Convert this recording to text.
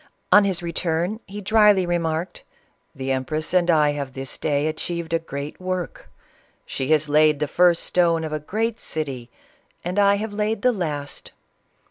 On his return he dryly re marked, " The empress and I have this day achieved a great work ; she has laid the first stone of a great city, and I have laid the last!'